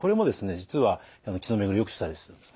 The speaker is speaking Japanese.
実は血の巡りをよくしたりするんですね。